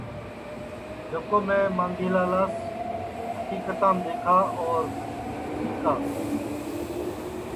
جکو میں مانگھی لالاس حکیکتام دؔیکھا اور سِکا